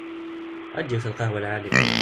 Awi-d yiwet n lqahwa lɛali.